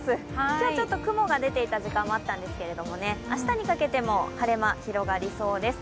今日、雲が出ていた時間もあったんですけれども、明日にかけても晴れ間が広がりそうです。